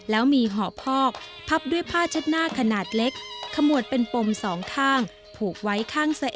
แล้วมีห่อพอกพับด้วยผ้าเช็ดหน้าขนาดเล็กขมวดเป็นปมสองข้างผูกไว้ข้างเส